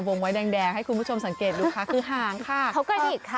วงไว้แดงแดงให้คุณผู้ชมสังเกตดูค่ะคือหางค่ะเขากระดิกค่ะ